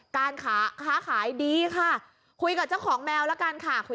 การค้าขายดีค่ะคุยกับเจ้าของแมวแล้วกันค่ะ